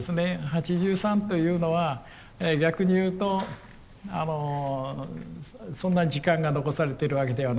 ８３というのは逆に言うとそんなに時間が残されているわけではない。